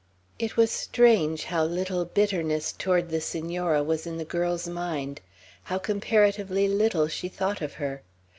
It was strange how little bitterness toward the Senora was in the girl's mind; how comparatively little she thought of her.